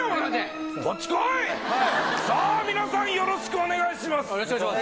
さあ、皆さんよろしくお願いします！